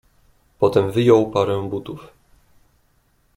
"Potem wyjął parę butów."